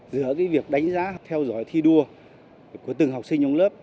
giữa việc đánh giá theo dõi thi đua của từng học sinh trong lớp